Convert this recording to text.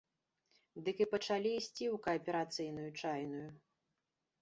Дык і пачалі ісці ў кааперацыйную чайную.